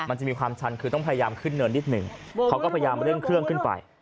มันจะมีความชันคือต้องพยายามขึ้นเนินนิดหนึ่งเขาก็พยายามเร่งเครื่องขึ้นไป